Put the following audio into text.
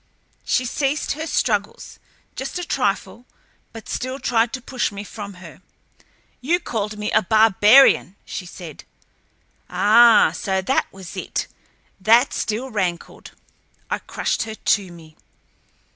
She ceased her struggles, just a trifle, but still tried to push me from her. "You called me a barbarian!" she said. Ah, so that was it! That still rankled. I crushed her to me.